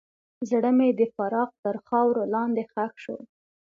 زړه مې د فراق تر خاورو لاندې ښخ شو.